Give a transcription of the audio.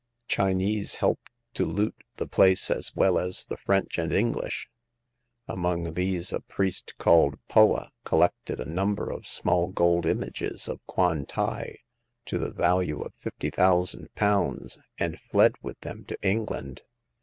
Chinese helped to loot the place as well as the French and English. Among these a priest called Poa collected a number of small gold images of Kwan tai to the value of fifty thousand pounds, and fled with them to England.